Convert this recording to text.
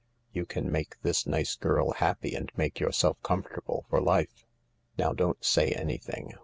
You can make this nice girl happy and make your self comfortable for life. Now don't say anything.